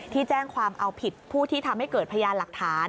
ที่แจ้งความเอาผิดผู้ที่ทำให้เกิดพยานหลักฐาน